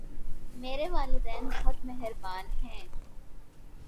میرے والدین بہت مہربان ہیں